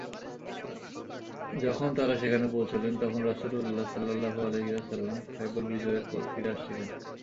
যখন তারা সেখানে পৌঁছলেন তখন রাসূলুল্লাহ সাল্লাল্লাহু আলাইহি ওয়াসাল্লাম খায়বর বিজয়ের পর ফিরে আসছিলেন।